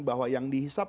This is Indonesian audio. bahwa yang dihisap